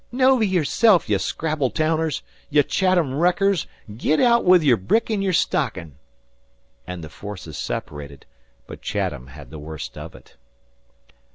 "Novy yourself, ye Scrabble towners! ye Chatham wreckers! Git aout with your brick in your stockin'!" And the forces separated, but Chatham had the worst of it.